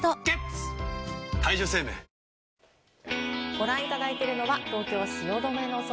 ご覧いただいているのは、東京・汐留の空。